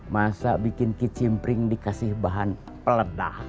masa bikin kicim pring dikasih bahan peledah